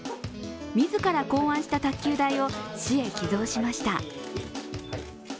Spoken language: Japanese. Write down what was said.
自ら考案した卓球台を市へ寄贈しました。